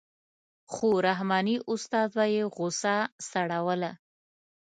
خو رحماني استاد به یې غوسه سړوله.